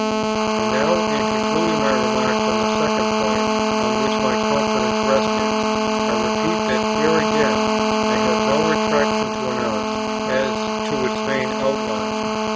And now in concluding my remarks on the second point on which my confidence rested, I repeat that here again I have no retractation to announce as to its main outline.